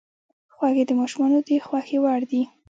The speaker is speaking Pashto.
خوږې د ماشومانو د خوښې وړ دي.